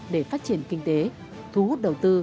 để phát triển kinh tế thu hút đầu tư